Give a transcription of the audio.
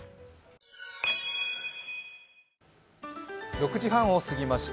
６時半を過ぎました。